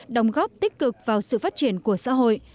đồng góp tích cực vào sự phát triển của xã hội